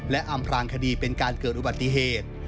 และอำพลางคดีเป็นการเกิดอุบัติเหตุ